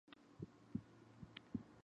She majored in urban studies.